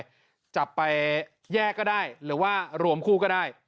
จับไปแยกก็ได้หรือว่ารวมคู่ก็ได้